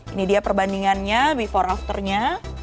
ini dia perbandingannya before afternya